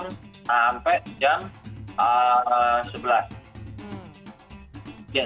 sampai jam sebelas